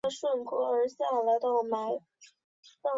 目前也是上海教区市区总铎区的总铎座堂。